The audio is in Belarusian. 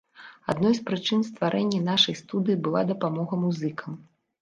Адной з прычын стварэння нашай студыі была дапамога музыкам.